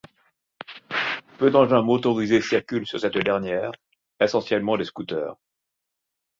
Peu d'engins motorisés circulent sur cette dernière, essentiellement des scooters.